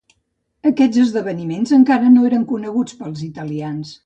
Aquests esdeveniments encara no eren coneguts pels italians.